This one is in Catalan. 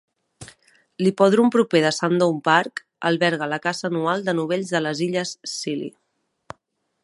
L'hipòdrom proper de Sandown Park alberga la Caça anual de novells de les Illes Scilly.